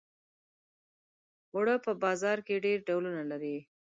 اوړه په بازار کې ډېر ډولونه لري